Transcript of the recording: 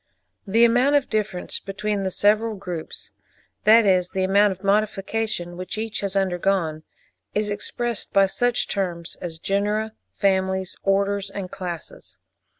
The amount of difference between the several groups—that is the amount of modification which each has undergone—is expressed by such terms as genera, families, orders, and classes.